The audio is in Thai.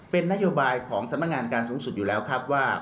เป็นนโยบายของสำนักงานการสูงสุดอยู่แล้วครับว่า